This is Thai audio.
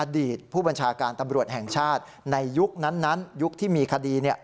อดีตผู้บัญชาการตำรวจแห่งชาติในยุคนั้นยุคที่มีคดี